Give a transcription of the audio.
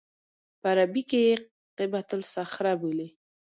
په عربي کې یې قبة الصخره بولي.